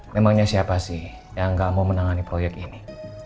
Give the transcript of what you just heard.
memangnya siapa sih yang nggak mau menangani proyek ini